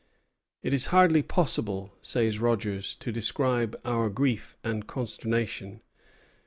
"It is hardly possible," says Rogers, "to describe our grief and consternation."